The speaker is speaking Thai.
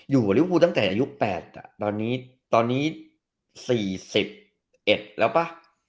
อยู่บริษฐภูตั้งแต่อายุ๘ตอนนี้๔๑แล้วป่ะ